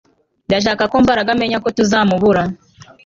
Ndashaka ko Mbaraga amenya ko tuzamubura